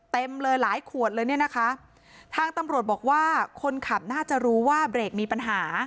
เต็มเลยหลายขวดเลยเนี่ยนะคะทางตำรวจบอกว่าคนขับน่าจะรู้ว่าเบรกมีปัญหา